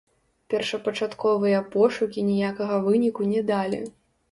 Першапачатковыя пошукі ніякага выніку не далі.